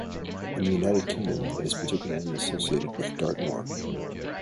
In the United Kingdom it is particularly associated with Dartmoor.